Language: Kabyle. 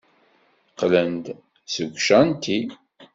Qqlen-d seg ucanṭi.